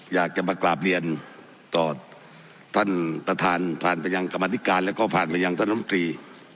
อยากจะมากราบเรียนต่อท่านประธานผ่านไปยังกรรมธิการแล้วก็ผ่านไปยังท่านน้ำตรี